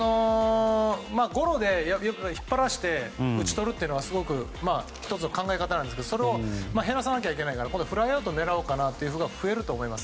ゴロで引っ張らせて打ち取るというのは１つの考え方なんですけどそれを減らさないといけないからフライアウトを狙おうかなというのが増えるかなと思います。